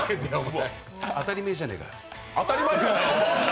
当たり前じゃねえか。